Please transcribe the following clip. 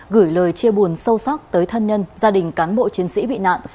gửi lời chia buồn sâu sắc tới thân nhân gia đình cán bộ chiến sĩ bị nạn